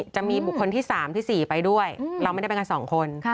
จะมีบุคคลที่๓ที่๔ไปด้วยเราไม่ได้ไปกัน๒คน